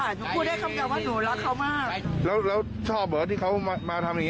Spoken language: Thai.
หนูพูดได้คำเดียวว่าหนูรักเขามากแล้วแล้วชอบเหรอที่เขามามาทำอย่างงี